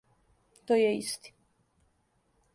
То је исти.